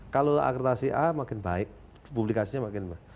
kalau akretasi a makin baik publikasinya makin baik